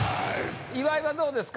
岩井はどうですか？